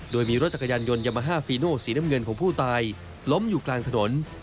โดยมีรถจักรยานยนต์ยามาฮาฟีโนสีน้ำเงินของผู้ตายล้มอยู่กลางถนน